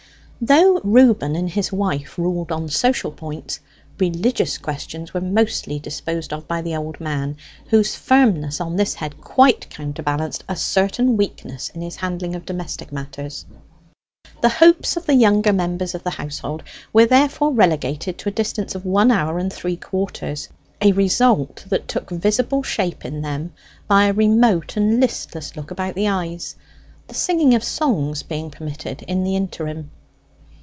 Though Reuben and his wife ruled on social points, religious questions were mostly disposed of by the old man, whose firmness on this head quite counterbalanced a certain weakness in his handling of domestic matters. The hopes of the younger members of the household were therefore relegated to a distance of one hour and three quarters a result that took visible shape in them by a remote and listless look about the eyes the singing of songs being permitted in the interim.